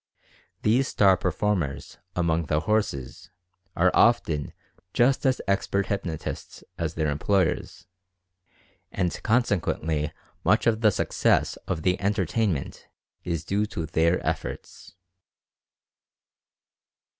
These "star performers" among the "horses" are often just as expert hypnotists as their employers, and consequently 140 Mental Fascination much of the success of the "entertainment" is due to their efforts.